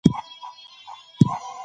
پوهه د چاپیریال په ساتنه کې مرسته کوي.